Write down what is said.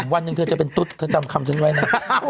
วันหนึ่งเธอจะเป็นตุ๊ดเธอจำคำฉันไว้นะ